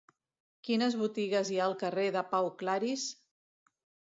Quines botigues hi ha al carrer de Pau Claris?